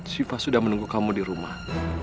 siva sudah menunggu kamu di rumah